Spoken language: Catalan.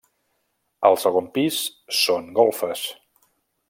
El segon pis són golfes.